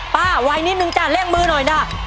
ไวนิดนึงจ้ะเร่งมือหน่อยนะ